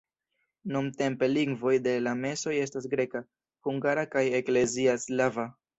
Nuntempe lingvoj de la mesoj estas greka, hungara kaj eklezia slava.